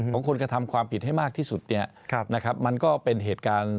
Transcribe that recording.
ของคนกระทำความผิดให้มากที่สุดเนี่ยนะครับมันก็เป็นเหตุการณ์